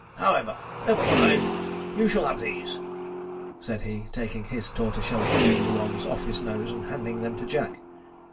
However, never mind, you shall have these,' said he, taking his tortoise shell rimmed ones off his nose and handing them to Jack.